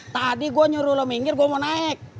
tadi gue nyuruh lo minggir gue mau naik